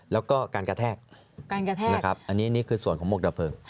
แล้วก็การกระแทกอันนี้คือส่วนของหมวกดับเพลิง